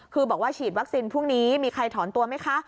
คือบอกว่าฉีดวัคซีนพรุ่งนี้มีใครถอนตัวไหมคะ